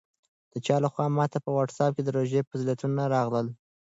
د چا لخوا ماته په واټساپ کې د روژې فضیلتونه راغلل.